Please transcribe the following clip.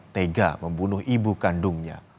tega membunuh ibu kandungnya